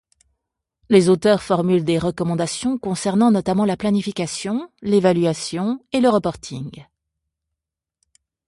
Les auteurs formulent des recommandations concernant notamment la planification, l'évaluation et le reporting.